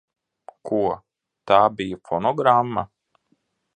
Ko? Tā bija fonogramma?